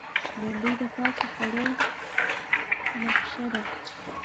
بېنډۍ د پاکو خوړو نخښه ده